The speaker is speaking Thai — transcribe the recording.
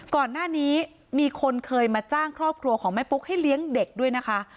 ก่อนหน้านี้มีคนเคยมาจ้างครอบครัวของแม่ปุ๊กให้เลี้ยงเด็กด้วยนะคะ